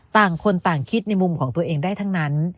ต่างคนต่างคิดในมุมของตัวเองได้ทั้งนั้น